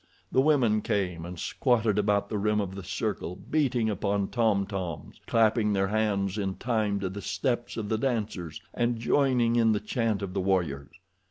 The women came and squatted about the rim of the circle, beating upon tom toms, clapping their hands in time to the steps of the dancers, and joining in the chant of the warriors.